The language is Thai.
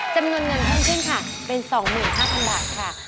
จำนวนเงินเพิ่มขึ้นค่ะเป็น๒๕๐๐๐บาทค่ะ